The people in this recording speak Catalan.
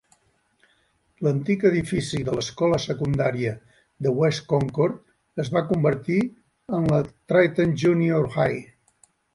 L'antic edifici de l'escola secundària de West Concord es va convertir en la Triton Junior High.